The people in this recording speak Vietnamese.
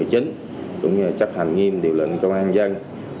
chính cũng như chấp hành nghiêm điều lệnh công an dân